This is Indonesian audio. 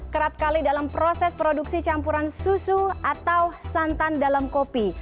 kerap kali dalam proses produksi campuran susu atau santan dalam kopi